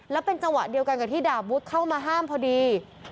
แล้วเป็นจังหวะเดียวกันกับที่ดาบวุฒิเข้ามาห้ามพอดี